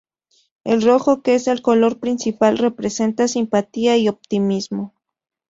El rojo, que es el color principal, representa simpatía y optimismo.